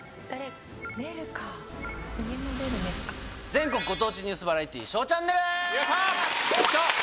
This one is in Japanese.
全国ご当地ニュースバラエティー『ＳＨＯＷチャンネル』！